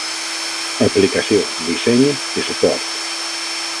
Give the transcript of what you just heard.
Aplicació, disseny i suport.